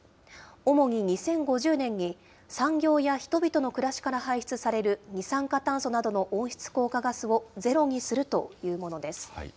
主に２０５０年に、産業や人々の暮らしから排出される二酸化炭素などの温室効果ガスをゼロにするというものです。